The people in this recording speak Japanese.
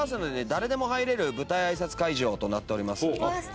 誰でも入れる舞台挨拶会場となっております。